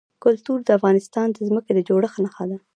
کلتور د افغانستان د ځمکې د جوړښت نښه ده.